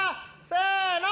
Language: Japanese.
せの！